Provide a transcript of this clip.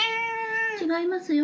違いますよ。